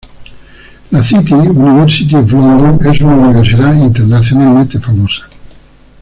La City, University of London es una universidad internacionalmente famosa.